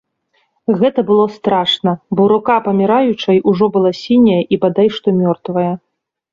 Гэта было страшна, бо рука паміраючай ужо была сіняя і бадай што мёртвая.